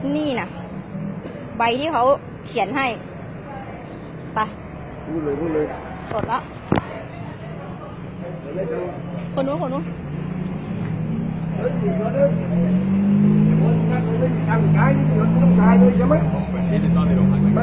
นี่น่ะใบที่เขาเขียนให้ป่ะพูดเลยพูดเลยเปิดแล้ว